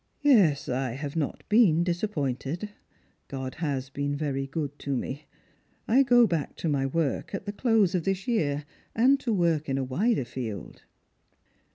" Yes, I have not been disappointed ; God has been very good to me. I go back to my work at the close of this year, and to work in a wider field."